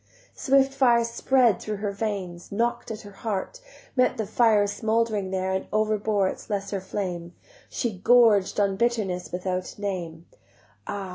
Swift fire spread through her veins, knock'd at her heart, Met the fire smouldering there And overbore its lesser flame; She gorged on bitterness without a name: Ah!